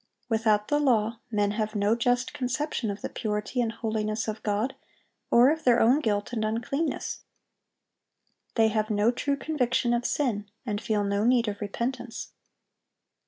(793) Without the law, men have no just conception of the purity and holiness of God, or of their own guilt and uncleanness. They have no true conviction of sin, and feel no need of repentance.